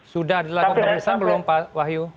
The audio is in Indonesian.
sudah dilakukan pemeriksaan belum pak wahyu